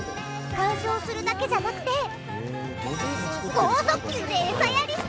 鑑賞するだけじゃなくて豪速球でエサやりしたり。